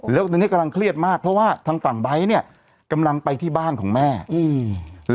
แล้วตอนนี้กำลังเครียดมากเพราะว่าทางฝั่งไบท์เนี้ยกำลังไปที่บ้านของแม่อืม